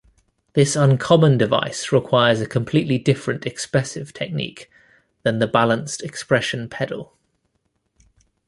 This uncommon device requires a completely different expressive technique than the balanced expression pedal.